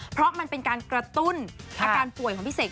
เพราะมันเป็นการกระตุ้นอาการป่วยของพี่เสก